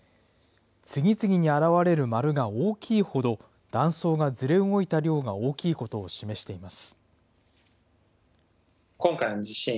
次々に現れる丸が大きいほど、断層がずれ動いた量が大きいことを示しています。